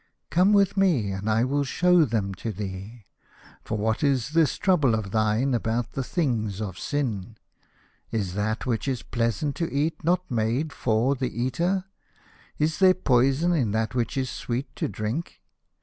Come with me and I will show them to thee. For what is this trouble of thine about the things of sin ? Is that which is pleasant to eat not made for the eater? Is there poison in that which is sweet to drink